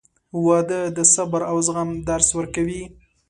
• واده د صبر او زغم درس ورکوي.